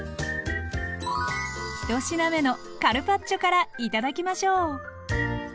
一品目のカルパッチョから頂きましょう。